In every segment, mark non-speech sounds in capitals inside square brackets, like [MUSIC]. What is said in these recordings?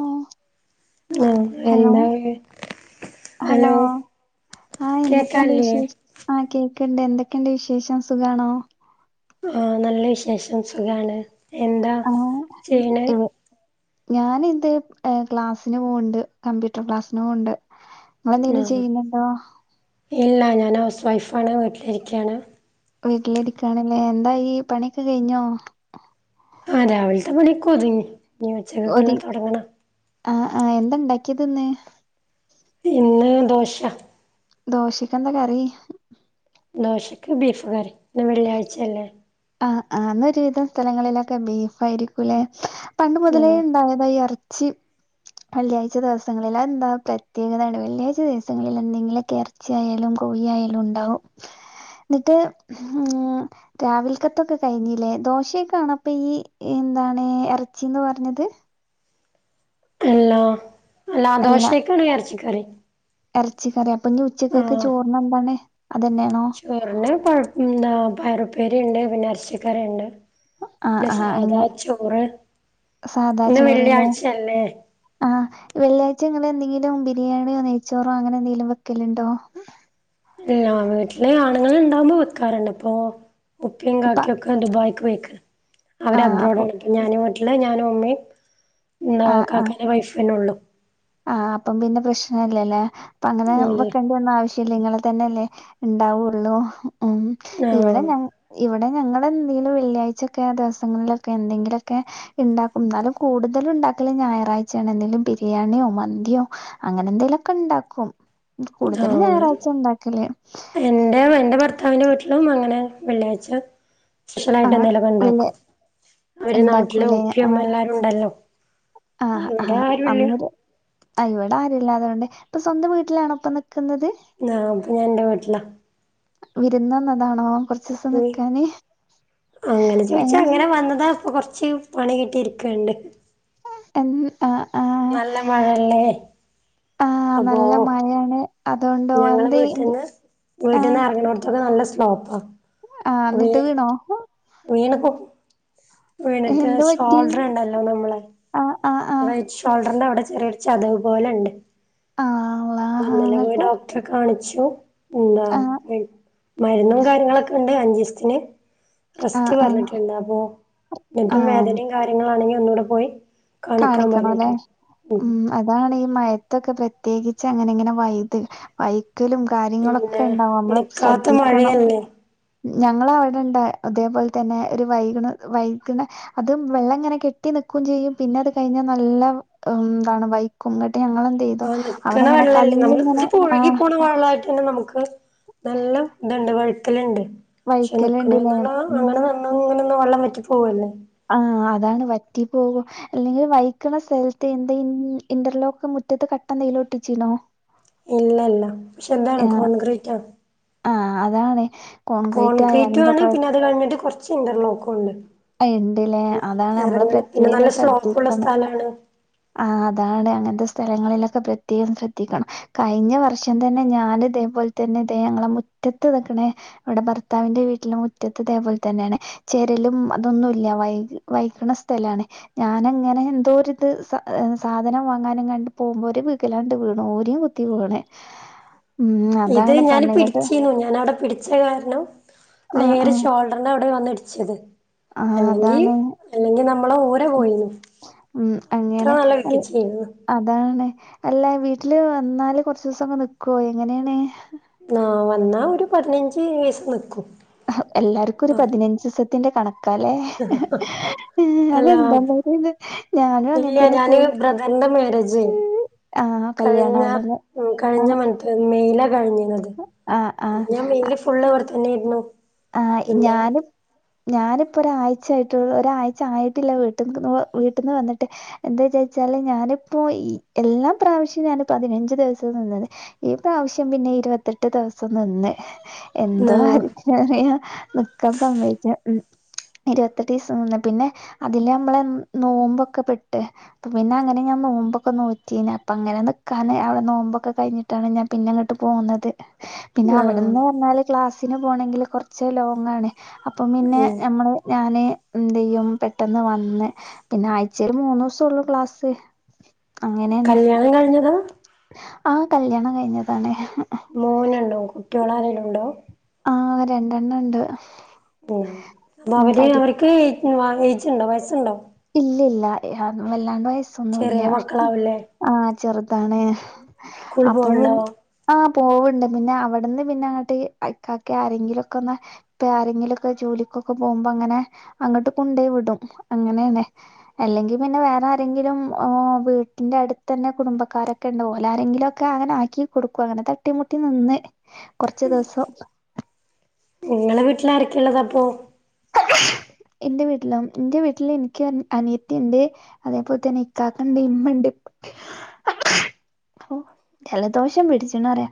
ഓ ആഹ് ഹലോ എന്താണ് ഹലോ, കേക്കല്ലേ ആഹ് കേക്കണ്ട് എന്തൊക്കെയുണ്ട് വിശേഷം സുഖണോ? ആഹ് നല്ല വിശേഷം സുഖാണ് എന്താ ആഹ് ചെയ്യണേ ഇ ഞാനിത് ക്ലാസ്സിന് പോണ്ട് കമ്പ്യൂട്ടർ ക്ലാസ്സിന് പോകണ്ട് നിങ്ങൾ എന്തെങ്കിലും ആഹ് ചെയ്യുന്നുണ്ടോ? ഇല്ല ഞാൻ ഹൗസ് വൈഫാണ് വീട്ടിലിരിക്കയാണ് വീട്ടിലിരിക്കണല്ലേ എന്തായി പണിയൊക്കെ കഴിഞ്ഞോ? ആഹ് രാവിലത്തെ പണിക്കോതുങ്ങി ഇനി ഉച്ചക്കെക്കുളെ തുടങ്ങണം ആഹ് ആഹ് എന്താ ഉണ്ടാക്കിയത് ഇന്ന് ഇന്ന് ദോശ ദോശക്കെന്താ കറി ദോശയ്ക്ക് ബീഫ് കറി, ഇന്ന് വെള്ളിയാഴ്ചയല്ലേ ആഹ് ആഹ് ഇന്നൊരു വിധം സ്ഥലങ്ങളിലൊക്കെ ബീഫ് ആയിരിക്കൂലെ പണ്ട് മുതലേ ആഹ് ഉണ്ടായത ഈ ഇറച്ചി വെള്ളിയാഴ്ച ദിവസങ്ങളിൽ എന്താ പ്രത്യേകതാണ് വെള്ളിയാഴ്ച ദിവസങ്ങളിൽ എന്തെങ്കിലൊക്കെ ഇ ഇറച്ചി ആയാലും കോഴി ആയാലും ഉണ്ടാവും എന്നിട്ട് ഉം രാവില ത്തൊക്കെ കഴിഞ്ഞില്ലേ ദോശയൊക്കണ പ്പോ ഈ എന്താണ് ഇറച്ചീന്ന് പറഞ്ഞത് അല്ലോ അല്ലാ അല്ല ദോശയേക്കാണ് ഇറച്ചിക്കറി ഇറച്ചിക്കറി അപ്പൊ ഇന്ന് ഉച്ചക്കത്തെ ചോറ്ന് എന്താണ് അതെന്നെയാണോ? ചോറിന് പഴം എന്താ പയറുപ്പേരി ഉണ്ട് പിന്നെ ഇറച്ചിക്കറിണ്ട് ആ പിന്നെ ആ സാദാ അങ്ങനെ ചോറ്, ഇന്ന് വെള്ളിയാഴ്ചയല്ലേ ആഹ് വെള്ളിയാഴ്ച ഇങ്ങനെ എന്തെങ്കിലും ബിരിയാണിയോ നെയ്ച്ചോറോ അങ്ങനെ എന്തെങ്കിലും വെക്കലുണ്ടോ? ഇല്ല വീട്ടിലെ ആണുങ്ങൾ ഇണ്ടാകുമ്പോ വെക്കാറുണ്ട് ഇപ്പോ ഉപ്പി ഇപ്പ കാക്കിയൊക്കെ ദുബായിക്ക് പോയിക്ക ആ അവര് അപ്പൊ അബ്രോഡാണ് ഞാന് വീട്ടില് ഞാനും ഉമ്മയും എന്താ ആ ആ കാക്കന്റെ വൈഫെന്നെ ഉള്ളു ആഹ് അപ്പം പിന്നെ പ്രശ്നല്ലല്ലേ അപ്പ അങ്ങനെ ഇല്ലേ വെക്കേണ്ടി ആവശ്യമില്ല നിങ്ങളെ തന്നെല്ലേ ഉണ്ടാവുള്ളൂ ഉം ഇവിടെ ആഹ് ഞ ഇവിടെ ഞങ്ങളടെ എന്തെങ്കിലും വെള്ളിയാഴ്ചൊക്കെ ദിവസങ്ങളിലൊക്കെ എന്തെങ്കിലൊക്കെ ഇണ്ടാക്കും എന്നാലും കൂടുതലും ഇണ്ടാക്കല് ഞായറാഴ്ചയാണ് എന്തങ്കിലും ബിരിയാണിയോ മന്തിയോ അങ്ങനെ എന്തെലുമൊക്കെ ഉണ്ടാക്കും കൂടുതലും ആഹ് ഞായറാഴ്ച ഉണ്ടാക്കല് എന്റെ എന്റെ ഭർത്താവിന്റെ വീട്ടിലും അങ്ങനെ വെള്ളിയാഴ്ച സ്പെഷ്യലായിട്ട് ആഹ് എന്തെങ്കിലുക്കെ വെള്ളി ഉണ്ടാക്കും അവര് നാട്ടിലെ ഇണ്ടാക്കൂലേ ഉപ്പയും ഉമ്മയും ആഹ് എല്ലാരും ഉണ്ടല്ലോ ആഹ് ഇവിടെ ആഹ് ആരുല്ല അന്നൊരു ആഹ് ഇവിടെ ആരൂല്ലാതുകൊണ്ട് ഇപ്പൊ സ്വന്തം വീട്ടിലാണ ഇപ്പ നിക്കുന്നത്. ആഹ് അപ്പൊ ഞാൻ എന്റെ വീട്ടിലാ വിരുന്ന് വന്നതാണോ കുറ [UNINTELLIGIBLE] അങ്ങനെ ചോദിച്ചാ ഏഹ് അങ്ങനെ വന്നതാ അപ്പൊ കൊറച്ച് പണികിട്ടിയിരിക്ക്ണ്ട് എൻ ആഹ് ആഹ് നല്ല മഴല്ലേ ആഹ് നല്ല മഴേണ് ഞങ്ങള് വീട്ടിന്ന് വീട്ടിന്ന് ആഹ് ഇറങ്ങണോടത്തൊക്കെ നല്ല സ്ലോപ്പാ ആഹ് എന്നിട്ട് വീണോ വീണ് പോ വീണിട്ട് എന്ത് പറ്റി ഷോൾഡർ ഇണ്ടല്ലോ നമ്മളെ ആഹ് ആഹ് ആഹ് റൈറ്റ് ശ് ഷോൾഡറിന്റെ അവിടെ ചെറിയൊരു ചതവ് പോലെണ്ട് ആഹ് ഒള്ള ഇന്നലെ പോയി ഡോക്ടെ കാണിച്ചു എന്താ ആഹ് മരുന്നും കാര്യങ്ങളൊക്കെണ്ട് അഞ്ചീസത്തിന് ആഹ് റെസ്റ്റ് ആഹ് പറഞ്ഞിട്ടുണ്ട് അപ്പൊ ന്നിട്ടും ആഹ് വേദനിം കാര്യങ്ങളാണെങ്കി ഒന്നുകൂടെ പോയി കാണിക്കാൻ കാണിക്കണം ലെ പറഞ്ഞിട്ടുണ്ട് ഉം അതാണ് ഈ മയത്തൊക്കെ പ്രത്യേകിച്ച് അങ്ങനെ ഇങ്ങനെ വൈത് വൈ മെറ്റലും കാര്യങ്ങളൊക്കെ പിന്നെ ഇണ്ടാവും നമ്മള് നിക്കാത്ത ശ്രദ്ധിക്കണം മഴയല്ലേ ഞങ്ങളെ വടെണ്ട് അതേപോലെ തന്നെ ഒരു വൈക്ണ വൈക്ണ അതും വെള്ളം ഇങ്ങനെ കെട്ടി നിക്കും ചെയ്യും പിന്നെ അത് കയിഞ്ഞാൽ നല്ല എന്താണ് വൈക്കുങ്ങട്ട് ഞങ്ങള് ഓ നിക്കണ വെള്ളല്ലേ നമ്മള് ഇത് ഒഴുകി ആഹ് പോണ വെള്ളായി ന്നെ നമുക്ക് നല്ല ഇതുണ്ട് വഴുക്കല്ണ്ട് ക്ഷെ വൈക്കല്ണ്ട്ല്ലേ നിക്കണെന്ന് പറഞ്ഞ ഉം അങ്ങനെ ഇങ്ങനൊന്നും വെള്ളം വറ്റി പോവല്ലേ ആഹ് അതാണ് വറ്റി പോവു അല്ലെങ്കിൽ വയിക്കണ സ്ഥലത്ത് എന്താ ഇന്റർലോക്ക് മുറ്റത്ത് കട്ട എന്തേലും ഒട്ടിചീനോ ഇല്ലല്ല പക്ഷെ ഇതാണ് കോൺക്രീറ്റാണ് ആഹ് അതാണ് കോൺക്രീറ്റ് ആയാൽ കോൺക്രീറ്റു എന്താ ആണ് കൊഴ പിന്നെ അത് കഴിഞ്ഞിട്ട് കൊറച്ച് ഇന്റർലോക്കുണ്ട് ഇണ്ട്ലേ അതാ നമ്മള് നല്ല പ്രത്യേകം സ്ലോപ്പുള്ള ശ്രദ്ധിക്കണം സ്ഥലാണ് ആഹ് അതാണ് അങ്ങൻത്തെ സ്ഥലങ്ങളിലൊക്കെ പ്രത്യേകം ശ്രദ്ധിക്കണം കയിഞ്ഞ വർഷം തന്നെ ഞാൻ ഇതേപോലെ തന്നെ ഇതേ ഞങ്ങളെ മുറ്റത്ത് തക്ണ് ഇവടെ ഭർത്താവിന്റെ വീട്ടില് മുറ്റത്ത് ഇതേപോലെ തന്നേണ് ചെരലും തൊന്നുല്ല വൈ വൈക്ണ സ്ഥലാണ് ഞാന് അങ്ങനെ എന്തോരിത് സാധനം വാങ്ങാനങ്ങാണ്ട് പോകുമ്പോ ഒരു വിഗ്ഗലാണ്ട് വീണു ഓരി കുത്തി വീണ് ഉം ഇത് അതാണ് ഞാൻ പറഞ്ഞിങ്ങട്ട് പിടിച്ചീനു ഞാാനവിടെ പിടി ച്ച കാരണം ആഹ് നേര ആഹ് ഷോൾഡറിന്റെ അവിടെ വന്നിടിച്ചത് ആഹ് അല്ലെങ്കി അതാണ്. അല്ലെങ്കി നമ്മളെ ഊര ഉം പോയിന് ഉം, അത്ര അങ്ങനെ നല്ല അൽ- വികിച്ചയ്നി അതാണ് അല്ല വീട്ടില് വന്നാല് കൊറച്ചീസൊക്കെ നിക്കോ എങ്ങനേണ് ആഹ് വന്നാ ഒരു പതിനഞ്ച് രീസം നിക്കും എല്ലാർക്കും ഒരു പതിനഞ്ച് ദീസത്തിന്റെ കണക്കാലേ ആഹ് അല്ല അതെന്താ ഇത് ഞാനും അങ്ങൻ ഇല്ല തന്നെ ഞാന് ബ്രദറിന്റെ മാരേജ് ആഹ് കല്യാണാണ് ലേ ആഹ് മെയില കഴിഞ്ഞിഞത് ആഹ് അപ്പൊ ആഹ് ഞാൻ മെയിൽ ഫുള്ള് ഇവിടെ തന്നെ ആയിരുന്നു ആഹ് ഞാനും ഞാനിപ്പോ ഒരായ്ച ആയിട്ട് ഒരായ്ച ആയിട്ടില്ല വീട്ട് വീട്ടിൽന്ന് വന്നിട്ട് എന്താചച്ചാല് ഞാനിപ്പോ ഈ എല്ലാ പ്രാവശ്യവും ഞാന് പതിനഞ്ച് ദിവസം നിന്നത് ഈ പ്രാവശ്യം പിന്നെ ഇരുവത്തെട്ട് ദിവസം നിന്ന് എന്തോ നാ ശെരിയ നിക്കാൻ സമ്മയിച്ച ഇരുത്തെട്ടീസം നിന്ന് പിന്നെ അതില് നമ്മളെ നോമ്പൊക്കെ പെട്ട് പിന്നെ അങ്ങനെ ഞാൻ നോമ്പൊക്കെ നോറ്റീന് അപ്പ അങ്ങനെ നിക്കാന് അവടെ നോമ്പൊക്ക കയിഞ്ഞി ട്ടാണ് ഞാ പിന്നങ്ങട്ട് പോന്നത്. പിന്നെ നാ അവിടെന്ന് പറഞ്ഞാല് ക്ലാസ്സിന് പോണെങ്കിൽ കൊറച്ച് ലോങ്ങാണ്. അപ്പം പിന്നെ ഉം ഞമ്മള്, ഞാന് എന്തെയ്യും പെട്ടെന്ന് വന്ന് പിന്നെ ആഴ്ച്ചേൽ മൂന്നൂസോള്ളു ക്ലാസ്. അങ്ങനെയാണ് കല്ല്യാണം കഴിഞ്ഞതാ? ആ കല്യാണം കഴിഞ്ഞതാണ്. മോന്ണ്ടോ കുട്ട്യോളാരേലുണ്ടോ? ആഹ് രണ്ടെണ്ണണ്ട്. ഉം അവര് അവര്ക്ക് ഏജ്ണ്ടോ? വയസ്സ്ണ്ടോ? ഇല്ല്യാ ഇല്ല്യാ വല്ലാണ്ട് ചെറിയ വയസ്സൊന്നുല്ല്യാ. മക്കളാവൂലേ ആഹ് ചെറുതാണ്. സ്കൂള് അപ്പം പോവണ്ടോ ആഹ് പോവ്ണ്ട് പിന്നെ അവ്ട്ന്ന് പിന്നങ്ങട്ട് ഇക്കാക്കെ ആരെങ്കിലൊക്കെന്ന് ഇപ്പേ ആരെങ്കിലൊക്കെ ജോലിക്കൊക്കെ പോകുമ്പങ്ങനെ അങ്ങട്ട് കൊണ്ടെയ് വിടും അങ്ങനേണ്. അല്ലെങ്കീ പിന്നെ വേറാരെങ്കിലും ഓ വീട്ടിന്റടുത്തെന്നെ കുടുംബക്കാരൊ ക്കണ്ട് ഓലാരെങ്കിലൊക്കെ അങ്ങനെ ആക്കി കൊടുക്കും. അങ്ങനെ തട്ടിമുട്ടി നിന്ന് കൊറച്ച് ദിവസം. ങ്ങളെ വീട്ടിലാരൊക്കെള്ളത് അപ്പൊ? ഇന്റെ വീട്ട്ലോ ഇന്റെ വീട്ട്ൽ ഇൻക്കി അനിയത്തിണ്ട്. അതേപോലെ തന്നെ ഇക്കാക്കെണ്ട് ഇമ്മണ്ട് ഇപ്പണ്ട് ജലദോഷം പിടിച്ച്ണറിയ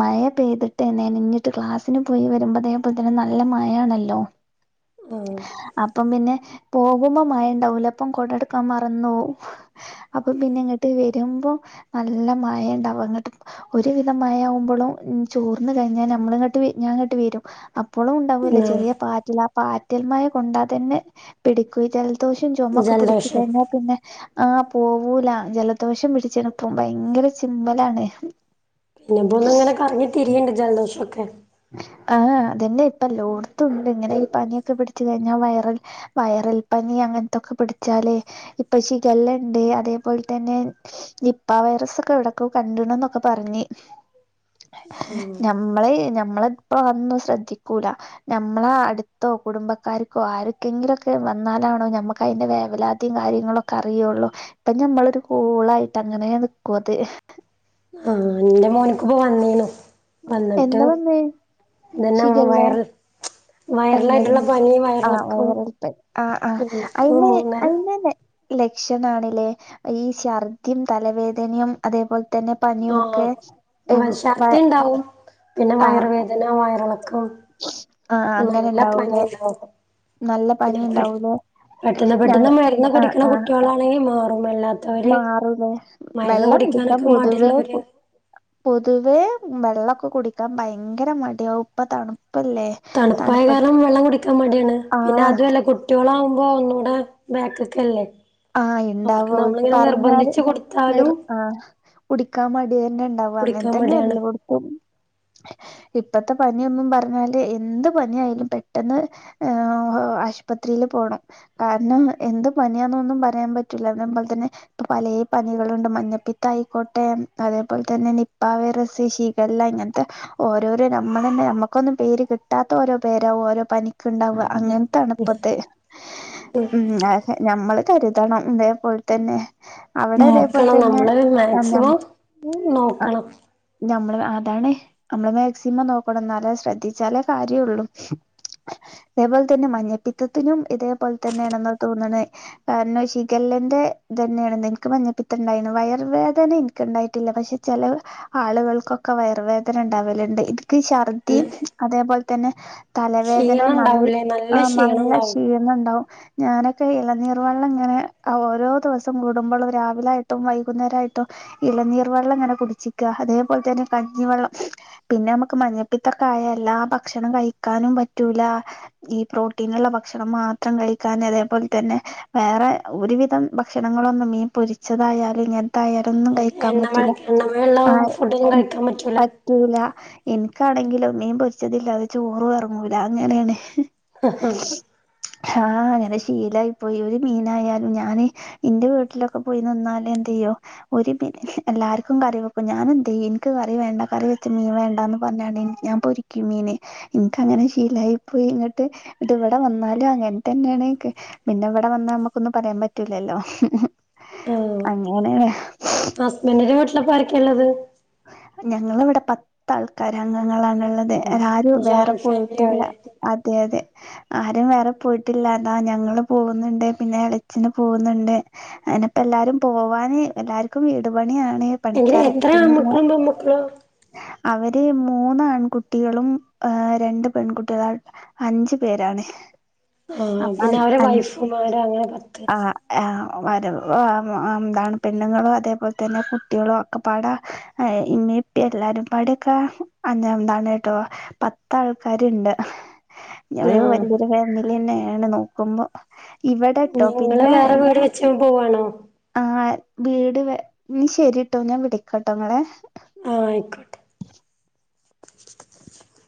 മയ പെയ്തിട്ടേ നെനഞ്ഞിട്ട് ക്ലാസ്സിന് പോയി വരുമ്പോ ഇതേപോലെതെന്നെ നല്ല മഴാണല്ലോ ആ [INAUDIBLE] അപ്പം പിന്നെ പോകുമ്പോ മഴണ്ടാവൂലപ്പം കൊടെടുക്കാൻ മറന്നോവും. അപ്പൊ പിന്നെങ്ങട്ട് വരുമ്പോ നല്ല മഴണ്ടാവ അങ്ങട്ട് ഒരുവിധം മഴ ആവുമ്പോളും ചോർന്ന് കഴിഞ്ഞാ ഞമ്മള്ങ്ങട്ട് ഞാങ്ങട്ട് വെരും അ പ്പളും ഇണ്ടാവല്ലോ ആ ചെറിയ പാറ്റിൽ ആ പാറ്റൽ മഴ കൊണ്ടാത്തന്നെ പിടിക്കൂ ഈ ജൽ ദോഷും ചൊമൊക്കെ പിടിച്ച് ജലദോഷം കഴിഞ്ഞാപിന്നെ ആഹ് പോവൂല ജലദോഷം പിടിച്ച്ണ്പ്പം ഭയങ്കര ചിമ്മലാണ്. പിന്നെപ്പോന്ന്ങ്ങനെ കറങ്ങി തിരിയിണ്ട് ജലദോഷൊക്കെ. ആഹ് അതന്നെ ഇപ്പെല്ലോട്ത്തുണ്ട് ഇങ്ങനെ ഈ പനിയൊക്കെ പിടിച്ച് കഴിഞ്ഞാ വെെറൽ വെെറൽപ്പനി അങ്ങൻത്തൊക്കെ പിടിച്ചാലേ ഇപ്പൊ ശിഖല്ലണ്ട് അതേപോൽതന്നെ നിപ്പാ വൈറസ് ഒക്കെ എവിടക്കോ കണ്ട്ണ്ന്നൊക്കെ പറഞ്ഞ്. ഏഹ് ഞമ്മളേ ഞമ്മളിപ്പ അതൊന്നും ശ്രദ്ധിക്കൂല. ഞമ്മള അടുത്തോ കുടുംബക്കാര്ക്കോ ആര്ക്കെങ്കിലൊക്കെ വന്നാലാണ് ഞമ്മക്കയിൻ്റെ വേവലാ തിയും കാര്യങ്ങളൊക്കെ അറിയോള്ളൂ. ഇപ്പ ഞമ്മളൊരു കൂളായിട്ട് അങ്ങനേ നിക്കു അത്. ആഹ് ന്റെ മോന്ക്ക്പ്പ വന്നീനൂ. വന്നിട്ട് എന്താ വന്നേ ഇതന്നാണോ വെെറൽ അല്ലല്ലാ ആഹ് വയറിളക്കം വയറൽപ്പനി ആഹ് ആഹ്. ഓന്ക്ക് അയിന് മൂന്നര അയിനെന്നെ ലക്ഷനാണ്ല്ലേ ഈ ഛർദിയും തലവേദനയും അതേ പോൽതന്നെ പനിയോക്കെ ഇം വെെ ണ്ടാവും പിന്നെ വയറുവേദന വയറെളക്കം [UNINTELLIGIBLE] അങ്ങനെ നല്ല ഇണ്ടാവൂലേ പനിണ്ടാവൂ. നല്ല പനി ഇണ്ടാവൂലേ പെട്ടെന്ന് ഞ പെട്ടെന്ന് മരുന്ന് കുടിക്ക്ണ കുട്ട്യോളാണെങ്കി മാറും എല്ലാ മാറുലേ വെള്ളം കുടിക്കാൻ പൊതുവേ കു മടിള്ളവര് പൊതുവേ വള്ളൊക്കെ കുടിക്കാൻ ഭയങ്കര മടിയാവും ഇപ്പ തണുപ്പല്ലേ. തണുപ്പായ തണുപ്പത്ത് കാരണം വെള്ളം കുടിക്കാൻ മടിയേണ് പിന്നെ ആഹ് അതൂ അല്ല കു കുട്ടിയോളാകുമ്പോ ഒന്നൂടെ ബാക്ക്ക്കല്ലേ. ആഹ് ഇണ്ടാവോ പറഞ്ഞാല് നിർ കൊടുത്താലും ആഹ് കുടിക്കാൻ മടിയെന്നെണ്ടാവാ കുടിക്കാൻ അങ്ങൻതന്നെ മടിയാണ് എല്ലോട്ത്തും. ഇപ്പത്തെ പനിയൊന്നും പറഞ്ഞാല് എന്ത് പനിആായാലും പെട്ടെന്ന് ഏഹ് ആശുപത്രിയില് പോണം കാരണം എന്ത് പനിയ ഒന്നു പറയാൻ പറ്റില്ല അതെ പോലെ തന്നെ ഇപ്പൊ പല പനികളുണ്ട് മഞ്ഞപ്പിത്തായിക്കോട്ടെ അതേപോലെ തന്നെ നിപ്പാ വൈറസ് എല്ലാം ഇങ്ങനത്തെ ഓരോരോ നമ്മൾ തന്നെ നമ്മുക്കൊന്നും പേര് കിട്ടാത്ത ഓരോ പേരും ഓരോ പനി ഒ ഉണ്ടാവുക ഉം കരുതണം ഇതേപോലെ തന്നെ അവിടെ ഇതേപോലെ നോക്കണം തന്നെ നമ്മള് ആ മാക്സിമം നോക്കണം. നമ്മള് അതാണ് നമ്മള് മാക്സിമം നോക്കണം എന്നാലേ ശ്രദ്ധിച്ചാലേ കാര്യള്ളൂ അതേപോലെ തന്നെ മഞ്ഞപ്പിത്തത്തിനും ഇതേപോലെ തന്നെയാണെന്ന തോന്നണ അന്നെ ഷികല്ലെന്റെ ഇത് തന്നെയാണ് എനിക്ക് മഞ്ഞപ്പിത്ത ഉണ്ടായിരുന്നു വയർവേദന എനി ക്ക് ഉണ്ടായിട്ടില്ല പക്ഷെ ചില ആളുകൾക്കൊക്കെ വയർ വേദന ഉണ്ടാവലുണ്ട് ഇതു ഛർദി പിന്നെ അതേപോലെ തന്നെ തലവേദന ക്ഷീണം ഉണ്ടാവൂലേ നല്ല ക്ഷീണം നല്ല ഉണ്ടാവും ക്ഷീണം ഉണ്ടാകും ഞാനൊക്കെ ഇളനീർ വെള്ളം ഇങ്ങനെ ഓരോ ദിവസം കൂടുമ്പോളും രാവിലൊയിട്ടും വൈകുന്നേരമായിട്ടും ഇളനീർ വെള്ളം ഇങ്ങനെ കുടിച്ചിക്കുഅതേപോലെ തന്നെ കഞ്ഞിവെള്ളം പിന്നെ നമുക്ക് മഞ്ഞപ്പിത്തം ഒക്കെ ആയാൽ എല്ലാ ഭക്ഷണം കഴിക്കാനും പറ്റൂല. ഈ പ്രോട്ടീനുള്ള ഭക്ഷണം മാത്രം കഴിക്കാൻ അതേപോലെ തന്നെ വേറെ ഒരുവിധം ഭക്ഷണങ്ങളൊന്നും മീൻ പൊരിച്ചതായാലും ഞാൻ പയറോന്നും കഴിക്കാൻ എണ്ണമ പറ്റില്ല. എണ്ണമയുള്ള ഫുഡൊന്നും കഴിക്കാൻ പറ്റൂല പറ്റൂല എനിക്കാണെങ്കിലോ മീൻ പൊരിച്ചതില്ലാതെ ചോറ് ഇറങ്ങൂല അങ്ങനെയാണ് ആഹ അങ്ങനെ ശീലായി പോയി. മീനായാലും ഞാന് എന്റെ വീട്ടിലൊക്കെ പോയി നിന്നാൽ എന്ത് ചെയ്യോ ഒരു പിടി എല്ലാർക്കും കറി വെക്കും. ഞാൻ എന്ത് ചെയ്യും എനിക്ക് കറി വേണ്ട കറി വെച്ചമീൻ വേണ്ടന്ന് പറഞ്ഞാണ് ഞാൻ പൊരിക്കും മീൻ നിനക്ക് അങ്ങനെ ശീലായി പോയി ഇവിടെ വന്നാലും അങ്ങനെ തന്നെയാണ് പിന്നെ വന്ന നമുക്കൊന്നും പറയാൻ പറ്റൂല്ലല്ലോ. ഹ അങ്ങനെല്ലേ [INAUDIBLE] ഹസ്ബൻറിന്റെ വീട്ടിലപ്പം ആരൊക്കെ ഉള്ളത് ഞങ്ങള ഇവിടെ പത്ത് ആൾക്കാര അംഗങ്ങളണുള്ളത്. അതൊരും വേറെ ജോയിന്റ് ഫാമിലി പോയിട്ടില്ല ആണല്ലേ അതെ അതെ ആരും വേറെ പോയിട്ടില്ല എന്നാ ഞങ്ങള് പോകുന്നുണ്ട് പിന്നെ എളിച്ചന് പോകുന്നുണ്ട്. ഇടയ്ക്ക് എല്ലാരും പോവാന് എല്ലാർക്കും വീട്പണിയാണ് എങ്കെ എത്ര ആൺ മക്കളും പെൺ മക്കളും ആഹ് അവര് മൂന്ന് ആൺകുട്ടികളും രണ്ട് പെൺകുട്ടികളു അഞ്ചു പേരാണ് ആഹ അപ്പൊ പിന്നെ അവരെ അഞ്ച് വൈഫുമാര അങ്ങനെ പത്ത് ആഹ് പെണ്ണുങ്ങളും അതേപോലെ തന്നെ കുട്ടികൾ ഒക്കെ പാട എല്ലാരും പാടൊക്കെ അ എന്താണ് കേട്ടോ പത്താൾക്കാരുണ്ട് ഞര് ആഹ് വലിയൊരു ഫാമിലിന്നെയണ് അങ്ങനെ നോക്കുമ്പോ ഇവിടെട്ടോ നിങ്ങള് പിന്നെ വേറെ വീട് വെച്ച് പോവാണോ ശരിട്ടോ ഞാൻ വിളിക്കട്ടോ നിങ്ങളെ ആഹ ആയിക്കോട്ടെ